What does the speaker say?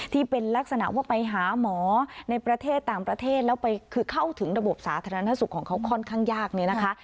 ที่เป็นลักษณะว่าไปหาหมอในประเทศต่างประเทศแล้วไปคือเข้าถึงระบบสาธารณสุขของเขาค่อนข้างยากเนี่ยนะคะ